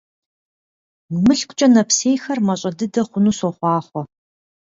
МылъкукӀэ нэпсейхэр мащӀэ дыдэ хъуну сохъуахъуэ!